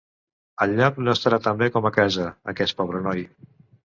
Enlloc no estarà tan bé com a casa, aquest pobre noi.